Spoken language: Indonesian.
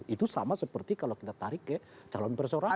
itu sama seperti kalau kita tarik ke calon perseorangan